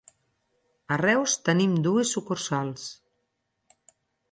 A Reus tenim dues sucursals.